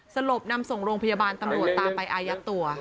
สลบนำส่งโรงพยาบาลตำรวจตามไปอายัดตัว